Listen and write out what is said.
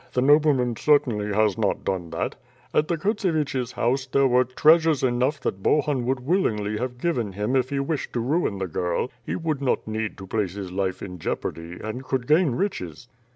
The nobleman certainly has not done that. At the Kurtseviches' house, there were treasures enough that Bohun would willingly have given him if he wished to ruin the girl. He would not need to place his life in jeopardy, and could gain riches."